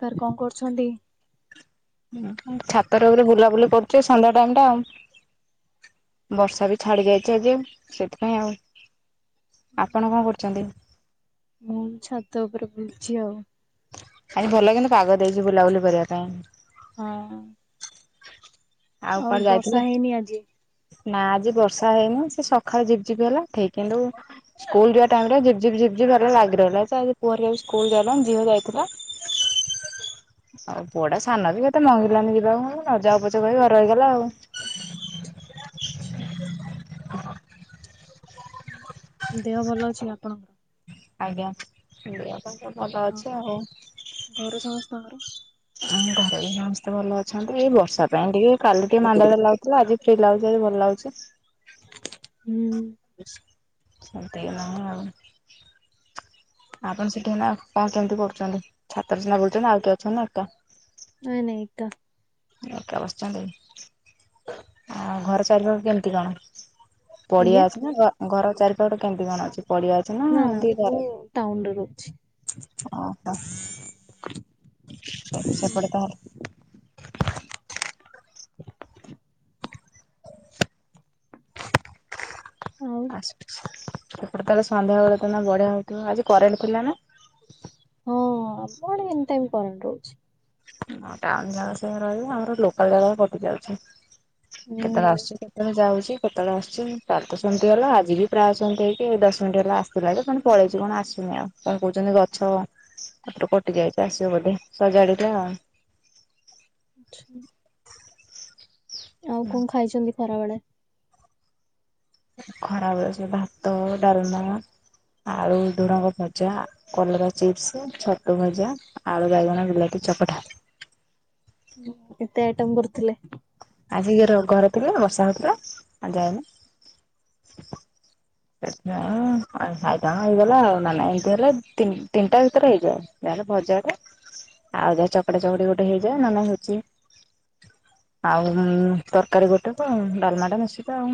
Sir କଣ କରୁଛନ୍ତି। ହୁଁ ଛାତରେ ଉପରେ ବୁଲାବୁଲି କରୁଛେ ସନ୍ଧ୍ୟା ଟାଇମ ଟା ଆଉ। ବର୍ଷା ବି ଛାଡ଼ି ଯାଇଛି ଆ ଯେ ସେଥିପାଇଁ ଆଉ। ଆପଣ କଣ କରୁଛନ୍ତି? ମୁଁ ଛାତ ଉପରେ ବୁଲଛି ଆଉ। ଆାଇ ଭଲ କିନ୍ତୁ ପାଗ ଦେଇଛି ବୁଲାବୁଲି କରିବା ପାଇଁ। ହଁ। ଆଉ କଣ ବର୍ଷା ଯାଇଥିଲ। ହେଇନି ଆଜି? ନା ଆଜି ବର୍ଷା ହେଇନି ସେ ସକାଳୁ ଯିପି ଜିିବି ହେଲା ଠିକ କିନ୍ତୁ। ସ୍କୁଲ ଯିବା ଟାଇମ ଟା ଝିପ ଝିିପ ଝିପଝିପ ଭଲି ଲାଗିହିଲା ସେ ଆ ପୁହରେ ସ୍କୁଲ ଯଲା ଝିଅ ଯାଇଥିଲା। ଆଉ ପୋଡା ସାନ ବି କେତେ ମଙ୍ଗିଲାନି ଯିବାକୁ ନ ଯା ପ। କହିବ ରହିଗଲା ଆଉ। [unintelligible] ଦେହ ଭଲ ଅଛି ଆପଣଙ୍କର। ଆଜ୍ଞା ପାଇଁ ତ ଭଲ ଅଛି ଆଉ। ଘରୁ ସମସ୍ତଙ୍କର। ଘରେ ବି ସମସ୍ତେ ଭଲ ଅଛନ୍ତି ଏଇ ବର୍ଷା ପାଇଁ ଟିକେ କାଲି ଟିକେ ମାନ୍ଦାଲିଆ ଲାଗୁଥିଲା ଆଜି ଫି ଲାଗୁଛି ଆଜି ଭଲ୍ ଲାଗୁଛି। ହୁଁ। [unintelligible] ଆପଣ ସେଠି ଏଇନା କଣ କେମିତି କରୁଛନ୍ତି ଛାତ ରେ ସିନା ରହୁଛନ୍ତି ଆଉ କିଏ ଅଛନ୍ତି ନା ଏକା? ନାଇ ନାଇ ଏକା। ଏକା ବସିଛନ୍ତି ଆଉ ଘର ଚାରିପାଖ କେମିତି କଣ? ଆଜ୍ଞା ପଡିଆ ଅଛି ନା ଘ ଘର ଚାରିପଖଟେ କେମିତି କଣ ଅଛି ପଡିଆ ଅ ନା ନା ମୁଁ ଟାଉନରେ ରହୁଛି। ସ ସେପଟେ ତାହଲେ [unintelligible] ଆଉ ଆସ୍ ପିଛାକୁ ଆସେ। ସେପଟେ ତା ହେଲେ ସନ୍ଧ୍ୟାବେଳେ ତ ନା ବଢିଆ ହଉଥିବ ଆଜି କରେଣ୍ଟ୍ ଥିଲା ନା? ହଁ କଣ ଏମିତି କରେଣ୍ଟ୍ ରହୁଛି? ହଁ ଟାଉନ୍ ଜାଗା ସେୟା ରହିବ ଆମର ଲୋକାଲ୍ ଜାଗା କଟି ଯାଉଛି କେତେବେଳେ ହୁଁ। ଆସୁଛି କେତେବେଳେ ଯାଉଛି କେତେବେଳେ ଆସୁଛି କାଲି ତ ସେମିତି ହେଲା ଆଜି ବି ପ୍ରାୟ ସେମିତି ହେଇକି ଏଇ ଦଶ ମିନିଟ ହେଲା ଆସ୍ ଥିଲା ଯେ ଫେଣି ପଳେଇଛି କଣ ଆସୁନି ଆଉ କଣ କହୁଛନ୍ତି ଗଛ ସେଟୁ କଟି ଯାଇଛି ଆସିବ ବୋଧେ ସଜାଡିଲା ଆ ଆଚ୍ଛା। ଆଉ କଣ ଖାଇଛନ୍ତି ଖରାବେଳେ? ଖରାବେଳେ ସେ ଭାତ ହଉ ଡାଲମା ଆଳୁ ଝୁଡଙ୍ଗ ଭଜା କଲରା ଚିପ୍ସ୍ ଛତୁ ଭଜା ଆଳୁ ବାଇଗଣ ବିଲାତି ଚକଟା। ହୁଁ କେତେ ଆଇଟମ୍ କରିଥିଲେ? ଆଜି ଇଏତ ଘରେ ଥିଲେ ବର୍ଷା ହେଉଥିଲା ଆ ଯାଏନି। [unintelligible] ଚାହାଁ ହେଇଗଲା ଆଉ ନାଲା ହେଇଥିଲେ ତି ତିନିଟା ଭିତରେ ହେଇଯାାଏ ଯାହାହେଲେ ଭଜାଟା। ଆଉ ଯାହା ଚକଟା ଚକଟି ଗୋଟେ ହେଇଯାଏ ନ ନେ ହଉଛି ଆଉ ତରକାରୀ ଗୋଟେକୁ ଡାଲମାଟା ବସିଚି ଆଉ।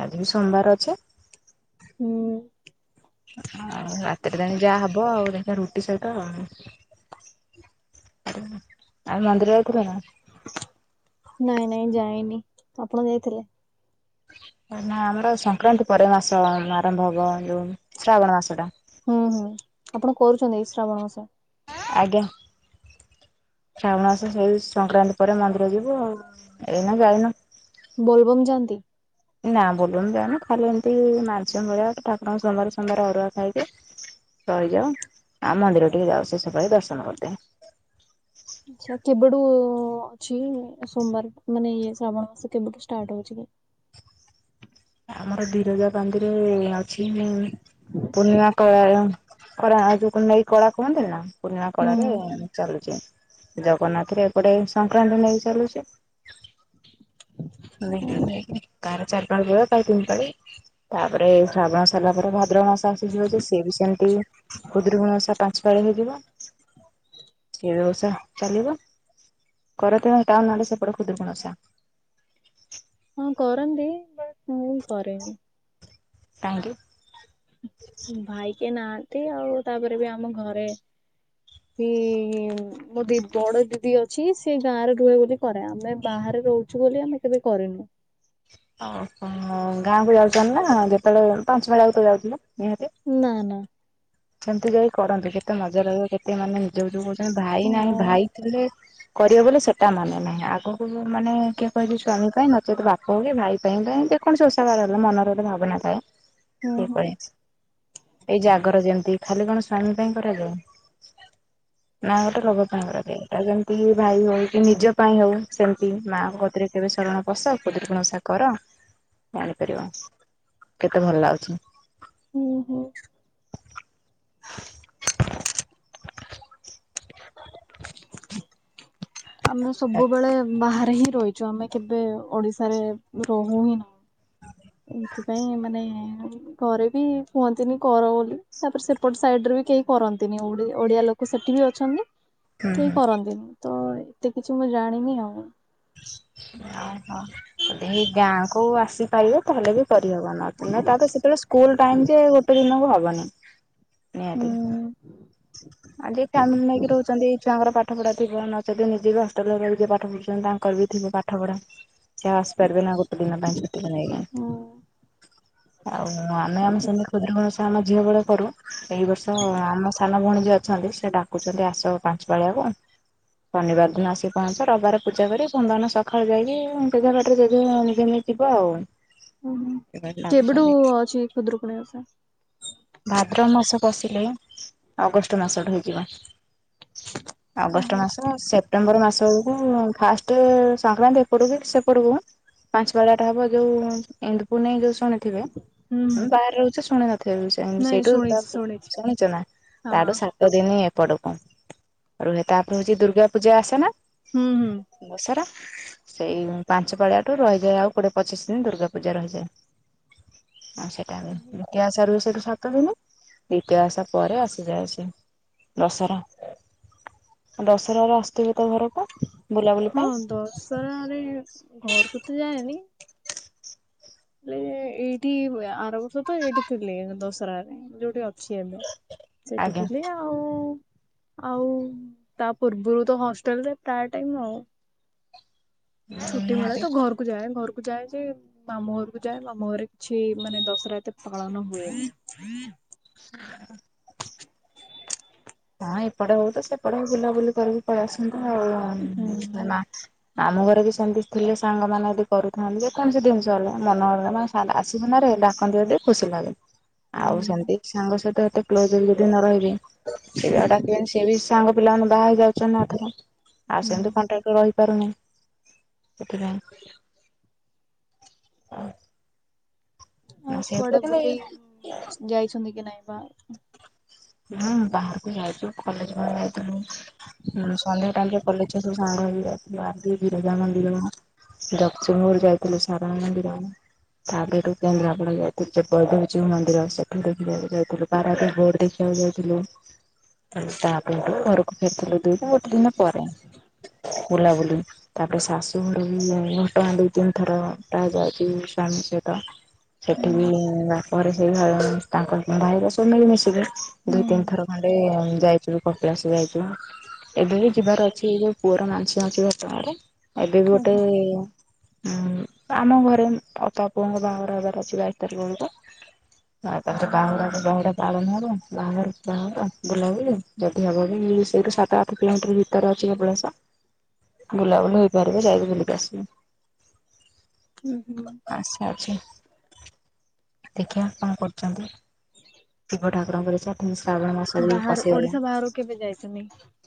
ଆଜି ବି ସୋମବାର ଅଛି। ହୁଁ ଆଉ ରାତିରେ ଯାଇଁକି ଯାହା ହବ ଆଉ ଦେଖିଆ ରୁ ରୁଟି ସହିତ ଆଉ ମନ୍ଦିର ଯାଇଥିଲେ ନା। ନାଇଁ ନାଇଁ ଯାଇନି ଆପଣ ଯାଇଥିଲେ? ନା ଆମର ସଂକ୍ରାନ୍ତି ପରେ ମାସ ଆରମ୍ଭ ହବ ଯଉ ଶ୍ରାବଣ ମାସଟା। ହୁଁ ହୁଁ ଆପଣ କରୁଛନ୍ତି ଏଇ ଶ୍ରାବଣ ମାସ? ଆଜ୍ଞା। ଶ୍ରାବଣ ମାସ ସେଇ ସଂକ୍ରାନ୍ତି ପରେ ମନ୍ଦିର ଯିବୁ ଆଉ ଏଇନା ଜାଇନୁ। ବୋଲବମ୍ ଯାଆନ୍ତି? ନା ବୋଲବମ୍ ଜାଏନି ଖାଲି ଏମିତି ମାନଶିକ ଭଳିଆ ଠାକୁରଙ୍କୁ ସୋମବାର୍ ସୋମବାର୍ ଅରୁଆ ଖାଇଦିଏ। ରହିଯାଉ ଆଉ ମନ୍ଦିର ଟିକେ ଯାଉ ସେଷ ପାଳି ଦର୍ଶନ କରିତେ। ଆଛା କେବେଠୁ ଅଛି ସୋମବାର ମାନେ ଇଏ ଶ୍ରାବଣ ମାସ କେବେଠୁ ଷ୍ଟାର୍ଟ ହଉଛି କି? ଆମର ବିରଜା ପାଞ୍ଜିରେ ଅଛି ମୁଁ ପୂର୍ଣ୍ଣିମା କଳା ଯଉ କରା ଆଉ ଯୋଉ ନେଇକି କଳା କୁହନ୍ତି ନା ପୃଣିମା ହୁଁ କଳାରେ ହୁଁ। ଚାଲୁଚି ଜଗନ୍ନାଥ ରେ ଏପଟେ ସଂକ୍ରାନ୍ତି ନେଇ ଚାଲୁଛି। ଦେଖିଆ ଦେଖେନି କାହାର ଚାରି ପାଳି ହୁଏ କାହାର ତିନି ପାଳି। ତାପରେ ଶ୍ରାବଣ ସରିଲା ପରେ ଭାଦ୍ରବ ମାସ ଆସିିଯିବ ଯେ ସିଏ ବି ସେମିତି। ଖୁଦ୍ରୁକୁଣି ଓଷା ପାଞ୍ଚ ପାଳି ହେଇଯିବ। ସେ ବ୍ୟବସା ଚାଲିବ କରନ୍ତୀ ନା ଟାଉନ୍ ଆଡେ ସେପଟେ ଖୁଦୁରୁକୁଣି ଓଷା। ହଁ କରନ୍ତି ବଟ୍ ମୁଁ କରେନି। କାହିଁକି? ଭାଇ କେହିଁ ନାହାନ୍ତି ଆଉ ତାପରେ ବି ଆମ ଘରେ [inaudible] କି ମୋ ଦି ବଡ ଦିଦି ଅଛି ସେିଏ ଗାଁ ରେ ରୁହେ ବୋଲି କରେ ଆମେ ବାହାରେ ରହୁଛୁ ବୋଲି ଆମେ କେବେ କରିନୁ। ଓ ଗାଁ କୁ ଯାଉଛନ୍ତି ନା ଯେତେବେଳେ ପାଞ୍ଚ ବେ ଆଗକୁ ଯାଉଥିଲା ନିହାତି। ନା ନା। ସେମିତି ଯାଇ କରନ୍ତିୁ କେତେ ମଜା ଲାଗିବ କେତେ ମାନେ ନିଜ ଯଉ କହୁଛନ୍ତି ଭାଇ ଓ ନାହିଁ ଭାଇ ଥିଲେ କରିବ ବୋଲି ସେଟା ମାନେ ନାହିଁ ଆଗକୁ ମାନେ କିଏ କହିବେ ସ୍ଵାମୀ ପାଇଁ ନଚେତ ବାପା କୋ କି ଭାଇ ପାଇଁ ଯେ କୌଣସି ଓଷାବାର ହେଲା ମନରେ ଗୋଟେ ଭାବନା ଥାଏ। ହୁଁ କି ହୁଁ। ଏଇ ଜାଗର ଯେମିତି ଖାଲି କଣ ସ୍ଵାମୀ ପାଇଁ କରାଯାଏ। [inaudible] ମା ଗୋଟେ ରୋଗ ପାଇଁଙ୍କର ଦ ଯେମିତି କି ଭାଇ ହଉ କି ନିଜ ପାଇଁ ହଉ ସେମିତି ମାଆଙ୍କ କତିରେ କେବେ ଶରଣ ପସ ଖୁଦୁରୁକୁଣୀ ଓସା କର ଜାଣିପାରିବ କେତେ ଭଲ ଲାଗୁଛି। ହୁଁ ହୁଁ। [inaudible] [inaudible] ଆମେ ସବୁବେଳେ ବାହାରେ ହିଁ ରହିଛୁ ଆମେ କେବେ ଓଡିଶାରେ ରହୁ ହିଁ ନାହିଁ। ଏଇଥିପାଇଁ ମାନେ ଘରେ ବି କୁହନ୍ତିନି କର ବୋଲି ତାପରେ ସେପଟ ସାଇଡରେ ବି କେହି କରନ୍ତିନି ଓଡିଆ ଲୋକ ସେଠି ବି ଅଛନ୍ତି ହୁଁ କେହି ହୁଁ। କରନ୍ତିନି ତ ଏତେ କିଛି ମୁଁ ଜାଣିନି ଆଉ। ଓହୋ। ହେଇ ଗାଁକୁ ଆସିପାରିବେ ତାହେଲେ ବି କରିହେବ ନ ତା ସେତେବେଳେ ସ୍କୁଲ୍ ଟାଇମ୍ ଯେ ଏ ଦିନକୁ ହବନି ନିହାତି। ହୁଁ ଆ ଯିଏ ଫ୍ୟାମିଲି ନେଇକି ରହୁଚନ୍ତି ଏଇ ଛୁଆଙ୍କର ପାଠ ପଢା ଥିବ ନେଚେତ୍ ନିଜେ ହଷ୍ଟେଲେରେ ରହି ଯିଏ ପା ପାଠ ପଢୁଚନ୍ତି ତାଙ୍କର ବି ଥିବ ପାଠ ପଢା ସିଏ ଆଉ ଆସିପାରିବେ ନା ଗୋଟେ ଦିନ ପାଇଁ ଛୁଟିକୁ ନେଇକି। ହୁଁ ଆଉ ଆମେ -ଆମେ ସେମିତି ଖୁଦୁରୁକୁଣୀ ଓଷା ଆମେ ଝିଅ ବେଳେ କରୁ ଏଇ ବର୍ଷ ଆମ ସାନ ଭଉଣୀ ଯିଏ ଅଛନ୍ତି ସେ ଡାକୁଚନ୍ତି ଆସ ପାଞ୍ଚ ପାଳିଆକୁ। ଶନିବାର ଦିନ ଆସିି ପହଞ୍ଚ ରବିବାର ପୂଜା କରି ସୋମବାର ସଖାଳୁ ଯାଇକି ଯେଝା ବାଟରେ ଯେଝେ ଯେମତି ଯିବ ଆଉ। ଉଁ- ହୁଁ କେବେଠୁ ଡାକୁଛନ୍ତି। ଅଛି ଖୁଦୁରୁକୁଣୀ ଓଷା? ଭାଦ୍ରବ ମାସ ପଶିଲେ ଅଗଷ୍ଟ୍ ମାସ ଠୁ ହେଇଯିବ ଅଗଷ୍ଟ ମାସ ସେପ୍ ସେପ୍ଟେମ୍ବର ମାସକୁ ଫାଷ୍ଟେ ସଂକ୍ରାନ୍ତି ଏପଟକୁ କି ସେପଟକୁ ପାଞ୍ଚ ପାଳିଆଟା ହେବ ଯଉ ଇନ୍ଦପୁର ନେଇ ଯଉ ଶୁଣିଥିବେ ହୁଁ ମୁଁ ହୁଁ ବାହାରେ ରହୁଚି ଶୁଣି ନଥିବ ବି ସେ ନାଇଁ ସେଇଠୁ ଶୁଣିଛି ଶୁଣିଛି ଶୁଣିଚ ନା। ହଁ ତାଠୁ ସାତ ଦିନ ହି ଏପଟକୁ ରୁହେ ତାପରେ ହଉଚି ଦୁର୍ଗା ପୂଜା ଆସେ ନା। ହୁଁ -ହୁଁ। ଦଶରା। ସେଇ ପାଞ୍ଚ୍ ପାାଳିଆଠୁ ରହିଯାଏ ଆଉ କୋଡିଏ ପଚିଶି ଦିନ୍ ଦୁର୍ଗା ପୂଜା ରହିଯାଏ। ଆଉ ସେଟା ବି ଦ୍ଵିତୀୟା ଓଷା ରୁହେ ସେଠୁ ସାତ ଦିନ ଦ୍ଵିତୀୟ ଓଷା ପରେ ଆଶ୍ [unintelligible] ଦଶରା- ଦଶରାରେ ଆସଥିବେ ତ ଘରେ ହଁ ଦଶରାରେ ଘରକୁ ତ ଯାଏନି ଏଇଠି ହୁଏ ଆର ବର୍ଷ ତ ଏଇଠେ ଥିଲି ଦଶରାରେ ଛି ହବ ସେଇଟି ଆଜ୍ଞା ଥିଲେ ଆଉ- ଆଉ ତା ପୂର୍ବରୁ ତ ହଷ୍ଟେଲରେ ପ୍ରାୟ ଟାଇମ୍ ଆଉ। ଛୁଟି ମିଳେ ନିହାତି ତ ଘରକୁ ଯାଏ ଘରକୁ ଯାଏ ଯେ ମାମଁ ଘରକୁୁ ଯାଏ ମାମୁଁ ଘରେ କିଛି ମାନେ ଦଶରା ଏତେ ପାଳନ ହୁଏନି। ହ ହଁ ଏପଟେ ହଉ ତ ସେପଟେ ବୁଲାବୁଲି କରିକି ପଳେଇ ଆସନ୍ତୁ ହୁଁ। ଆଉ [unintelligible] ଆମ ଘରେ ବି ସେମିତି ଥିଲେ ସାଙ୍ଗମାନେ ଯଦି କରୁଥାନ୍ତି ଯେକୌଣସି ଜିନିଷ ହେଲେ ମନ ହେଲେ ତାହେଲେ ଆସିବୁ ନାରେ ଡାକନ୍ତି ବୋଲି ଟିକେ ଖୁସି ଲାଗେ। ଆଉ ହୁଁ ସେମିତି ସାଙ୍ଗ ସହିତ ଏତେ କ୍ଲୋଜ୍ ହେଇ ଯଦି ନ ରହିବେ ସିଏ ଆଉ ଡାକିବେନି ସେ ବି ସେ ସାଙ୍ଗ ପିଲା ମାନେ ବାହା ହେଇ ଯାଉଚ ନା ଏଥର ଆଉ ହୁଁ ସେମିତି କଣ୍ଟ୍ରାଟି ରହିପାରୁନି ସେଥିପାଇଁ। ହଁ। ଆଉ କୁଆଡେ ବୁଲି ଯାଇଚନ୍ତି କି ନାଇଁ ବା? ହୁଁ ବାହାରକୁ ଯାଇଚୁ କଲେଜ୍ [unintelligible] ଯାଇଥିଲୁ। ହୁଁ- ସନ୍ଧ୍ୟା ଟାଇମ୍ ରେ କଲେଜ ଛୁଆ ସାଙ୍ଗ ହେଇଯାଇଥିଲୁ ବିରଜା ମନ୍ଦିର ଜଗତସିଂହପୁର ଯାଇଥିଲୁ ସାରଳା ମନ୍ଦିର ତାପରେ ହେଠୁ କେନ୍ଦ୍ରାପଡା ଯାଇଥିଲୁ [unintelligible] ମନ୍ଦିର ସେଠୁ ଦେଖି ଯାଇଥିଲୁ [unintelligible] କୁ ଯାଉଥିଲୁ ତାପରେ ହେଟୁ ଘରକୁ ଫେରିଥିଲୁ ଦୁଇ ଦିନ ଗୋଟେ ଦିନ ପରେ। ହ [inaudible] ବୁଲାବୁଲି। ତାପରେ ଶାଶୁ ଘରୁ ବି ଘଟଗାଁ ଦୁଇ ତିନି ଥର ପ୍ରାୟ ଯାଇଚି ସ୍ଵାମୀ ସହିତ। ସେଠି ହୁଁ ବି ତାପରେ ସେଇ ତାଙ୍କ ଭାଇର ସବୁ ମ- ମିଶିବେ। ଦୁଇ ହୁଁ ତିନି ଥର ଖଣ୍ଡେ ଯାଇ କପିଳାସ ଯାଇଥିନୁ ଏବେ ବି ଯିବାର ଅଛି ଯୋଉ ପୁଅର ମାଂସିକ ଅଛି ତାଙ୍କର। ଏବେ ବି ଗୋଟେ ଓହୋ ହୁଁ ଆମ ଘରେ ଅପା ପୁଅଙ୍କ ବାହାଘର ହେବାର ଅଛି ବାଇଶ ତାରିଖ ବେଳକୁ। ଆଉ ତାରେ ବାହୁଡାକୁ ବାହୁଡା ପାଳନ ହବ। ବାହାଘର ବାହାହେବ ବୁଲାବୁଲି ଯଦି ହବ କି ସେଇଠୁ ସାତ ଆଠ କିଲୋମିଟର ଭିତରେ ଅଛି କପିଳାସ। ବୁଲାବୁଲି ହେଇପାରିବ ଯାଇକି ବୁଲିକି ଆସିବି। ହୁଁ ହୁଁ ଆଶା ଅଛି। ଦେଖିବା କଣ କରୁଛନ୍ତି? ଶିବ ଠାକୁରଙ୍କର ଚାଠ ଶ୍ରାବଣ ମାସ ବି ବାହାର ପଶିଗଲା। ଓଡିଶା ବାହାରକୁ କେବେ ଯାଇଛନ୍ତି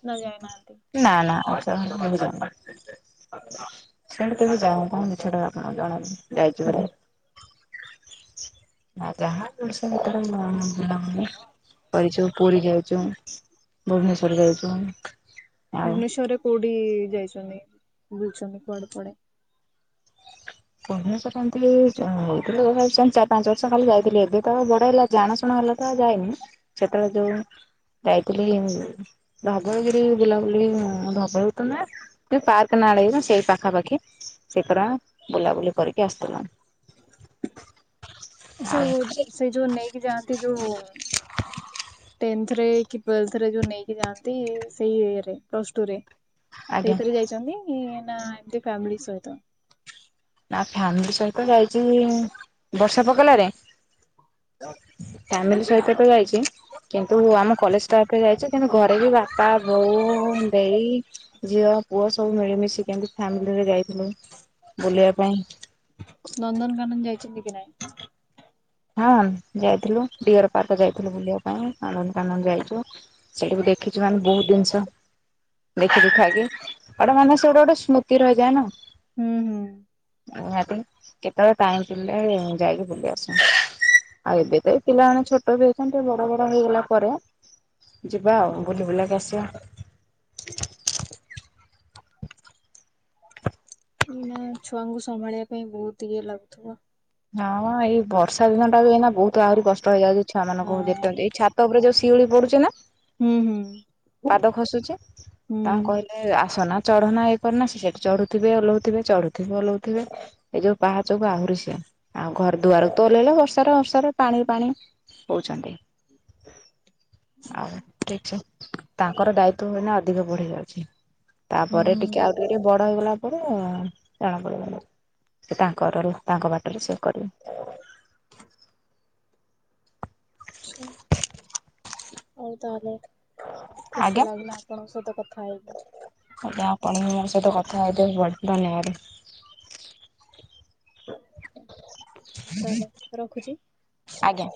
ନା ଯାଇନାହାନ୍ତି? ନା ନା। [unintelligible] ସେଠୁ ତବେ ଯାଉ କଣ ମିଛଟାରେ ଆପଣ ଜଣାଅନି ଯାଇଛି ହୁଁ ବୋଲି। ହୁଁ। ଯାହା ଜିନିଷ ପତ୍ର [unintelligible] କରିଛୁ ପୁରୀ ଯାଉଛୁ। ଭୁବନେଶ୍ୱର ଯାଇଛୁ। ଆଉ ଭୁବନେଶ୍ଵରରେ କୋଉଠି ଯାଇଛନ୍ତି? ବୁଲୁଛନ୍ତି କୁଆଡେ କୁଆଡେ? ଭୁବନେଶ୍ୱର ଏମିତି ଚାରି, ପାଞ୍ଚ ବର୍ଷ କାଲି ଯାଇଥିଲି। ଏବେ ତ ବଡ ହେଇଲା ଜାଣା ଶୁଣା ହେଲା ତ ଆଉ ଯାଇନି। ସେତେବେଳେ ଯୋଉ ଯାଇଥିଲି ଧବଳଗିରି ବୁଲାବୁଲି ଧବଳଗିରି ତ ନୁହେଁ। ଯେଉଁ ପାର୍କ ନାଳାଗିବ ସେଇ ପାଖାପାଖି ସେଥର ବୁଲାବୁଲି କରିକି ଆସିଥିଲୁ। ଆଚ୍ଛା ଆଉ ସେଇ ଯୋଉ ନେଇକି ଯହାନ୍ତି ଯୋଉ ଟେନ୍ଥରେ କି ଟଲରେ ଯୋଉ ନେଇକି ଯାଆନ୍ତି ସେଇ ଇଏରେ ପ୍ଲସ ଟୁରେ। ଆଜ୍ଞା ସେଇଥିରେ ଯାଇଛନ୍ତି ନା ଏମତି ଫ୍ୟାମିଲି ସହିତ? ନା ଫ୍ୟାମିଲି ସହିତ ଯାଇଛି ବର୍ଷା ପକେଇଲାରେ। ଫ୍ୟାମିଲି ସହିତ ତ ଯାଇଛି। କିନ୍ତୁ ଆମ କଲେଜ ପ ଯାଇଛି କିନ୍ତୁ ଘରେ ବି ବାପା, ବୋଉ, ଦେଇ, ଝିଅ, ପୁଅ ସବୁ ମିଳିମିଶି କେମତି ଫ୍ୟାମିଲିରେ ଯାଇଥିଲୁ। ବୁଲିବା ପାଇଁ। ନନ୍ଦନକାନନ ଯାଇଛନ୍ତି କି ନାଇଁ? ହଁ ଯାଇଥିଲୁ ଡିଅର ପାର୍କ ଯାଇଥିଲୁ ବୁଲିବା ପାଇଁ। ଆନନ୍ଦ କାନନ୍ଦ ଯାଇଛୁ। ସେଇଠି ବି ଦେଖିଛୁ ମାନେ ବହୁତ ଜିନିଷ। ଦେଖି ଦୁଖାକି ଏଟା ମାନେ ସିଏ ଗୋଟେ ଗୋଟେ ସ୍ମୃତି ରହିଯାଏ ନା। ହୁଁ ହୁଁ। ନିହାତି କେତେବେଳେ ଟାଇମ ପିଲେ ଯାଇକି ବୁଲି ଆସୁ। ଆଉ ଏବେ ତ ଏ ପିଲାମାନେେ ଛୋଟ ବି ହେଇଛନ୍ତି। ବଡ ବଡ ହେଇଗଲା ପରେ ଯିବା ଆଉ ବୁଲି ବୁଲାକି ଆସିବା। ନା ଛୁଆଙ୍କୁ ସମ୍ଭାଳିବା ପାଇଁ ବହୁତ ଇଏ ଲାଗୁଥିବ। ହଁ ଏଇ ବର୍ଷା ଦିନ ଟା ବି ଏଇନା ବହୁତ ଆହୁରି କଷ୍ଟ ହେଇଯାଉଛି। ଛୁଆମାନଙ୍କୁ ଦେଖ ହଁ। ଏଇ ଛା ତା ଉପରେ ଯୋଉ ଶିଉଳି ପଡୁଛି ନା ହୁଁ ହୁଁ ପାଦ ଖସୁଚି। ତାଙ୍କୁ ହୁଁ। କହି ଆସନା ଚଢ଼ନା ଏଇ କରନା ସେଠି ଚଢୁଥିବେ ଓଲହୁଥିବେ ଚଢୁଥିବେ ଓଲହୁଥିବେ। ଏଇ ଯୋଉ ପାହାଚକୁୁ ଆହୁରି ସିଏ। ଆଉ ଘର ଦୁଆରୁ ଓଲେଇଲେ ବର୍ଷାରେ ବର୍ଷାରେ ପାଣି ପାଣି ହଉଛନ୍ତି। [inaudible] ଆଉ ଠିକ ସେ ତାଙ୍କର ଦାୟିତ୍ଵ ହୁଏନା ଅଧିକ ବଢି ଯାଉଛି। ତାପରେ ଟିକେ ଆଉ ଟିକେ ଟିକେ ବଡ ହେଇଗଲା। ପରେ ଜଣା ପଡିବ। ସେ ତାଙ୍କର ତାଙ୍କ ବାଟରେ ସେ କରିବ। ଆଚ୍ଛା। ହଉ ତାହେଲେ, ବହୁତ ଆଜ୍ଞା ଖୁସି ଲାଗିଲା ଆପଣଙ୍କ ସହିତ କଥା ହେଇକି। ଆଜ୍ଞା ଆପଣ ବି ମୋ ସହିତ କଥା ହେ [unintelligible] ବେ ବ ଧନ୍ୟବାଦ ତାହଲେ ରଖୁଛି। ଆଜ୍ଞା।